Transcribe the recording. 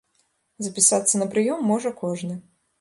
Запісацца на прыём можа кожны.